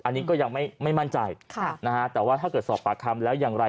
อันนี้ก็ยังไม่มั่นใจแต่ว่าถ้าเกิดสอบปากคำแล้วอย่างไร